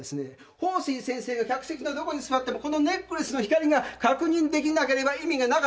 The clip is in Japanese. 鳳水先生が客席のどこに座ってもこのネックレスの光が確認できなければ意味がなかった。